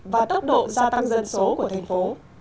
và tốc độ gia tăng dân số của thành phố